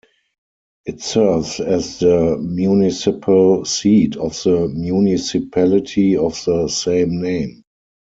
It serves as the municipal seat of the municipality of the same name.